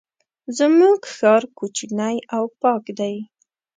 زمونږ ښار کوچنی او پاک دی.